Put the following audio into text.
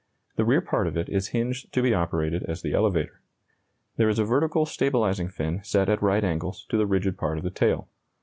The rear part of it is hinged to be operated as the elevator. There is a vertical stabilizing fin set at right angles to the rigid part of the tail.